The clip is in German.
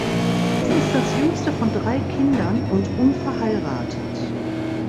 Sie ist das jüngste von drei Kindern und unverheiratet.